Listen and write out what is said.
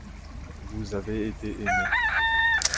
Vous avez été aimés.